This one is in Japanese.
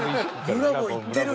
ブラボーいってる？